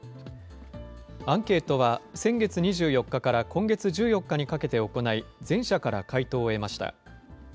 アンケートは、先月２４日から今月１４日にかけて行い、全社から回答を得ました。